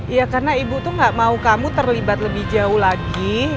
iya karena ibu tuh gak mau kamu terlibat lebih jauh lagi